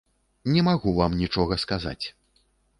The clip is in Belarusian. Не магу вам нічога сказаць.